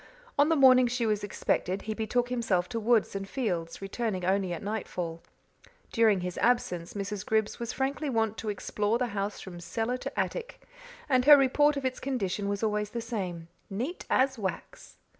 On the morning she was expected he betook himself to woods and fields, returning only at night fall. During his absence Mrs. Griggs was frankly wont to explore the house from cellar to attic, and her report of its condition was always the same "neat as wax."